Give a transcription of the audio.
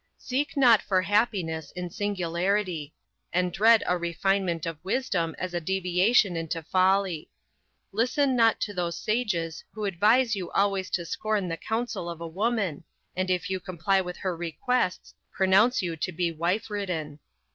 Seek not for happiness in singularity; and dread a refinement of wisdom as a deviation into folly. Listen not to those sages who advise you always to scorn the counsel of a woman, and if you comply with her requests pronounce you to be wife ridden.